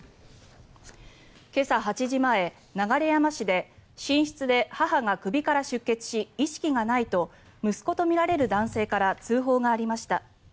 今朝８時前、流山市で寝室で母が首から出血し意識がないと息子とみられる男性から通報がありました。